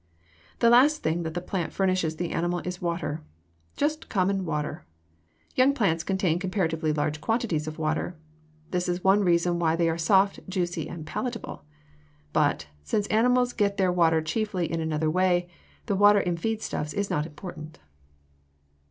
The last thing that the plant furnishes the animal is water just common water. Young plants contain comparatively large quantities of water. This is one reason why they are soft, juicy, and palatable. But, since animals get their water chiefly in another way, the water in feed stuffs is not important.